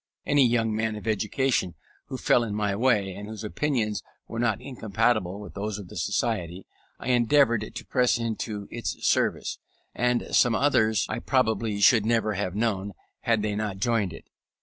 Any young man of education who fell in my way, and whose opinions were not incompatible with those of the Society, I endeavoured to press into its service; and some others I probably should never have known, had they not joined it.